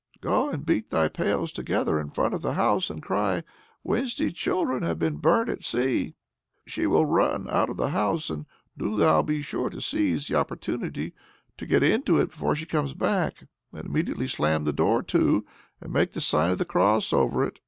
Go and beat thy pails together in front of the house, and cry, 'Wednesday's children have been burnt at sea!' She will run out of the house, and do thou be sure to seize the opportunity to get into it before she comes back, and immediately slam the door to, and make the sign of the cross over it.